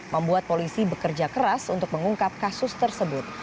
membuat polisi bekerja keras untuk mengungkap kasus tersebut